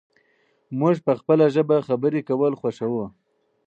موږ په خپله ژبه خبرې کول خوښوو.